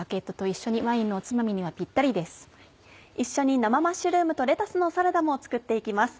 一緒に「生マッシュルームとレタスのサラダ」も作って行きます。